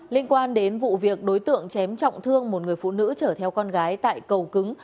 liên quan đến vụ việc đối tượng chém trọng thương một người phụ nữ chở theo con gái tại cầu cứng